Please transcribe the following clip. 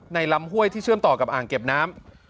ลำห้วยที่เชื่อมต่อกับอ่างเก็บน้ำ